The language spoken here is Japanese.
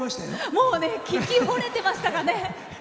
もう聴きほれてましたかね。